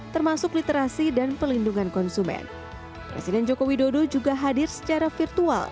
termasuk literasi dan pelindungan konsumen presiden joko widodo juga hadir secara virtual